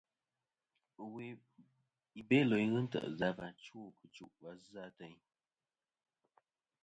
I Belo i ghɨ ntè' zɨ a và chwo kitchu va zɨ a teyn.